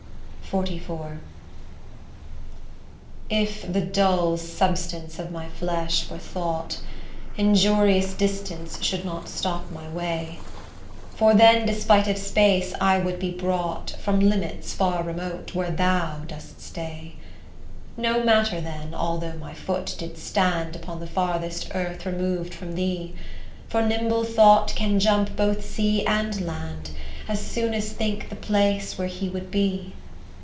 XLIV If the dull substance of my flesh were thought, Injurious distance should not stop my way; For then despite of space I would be brought, From limits far remote, where thou dost stay. No matter then although my foot did stand Upon the farthest earth remov'd from thee; For nimble thought can jump both sea and land, As soon as think the place where he would be.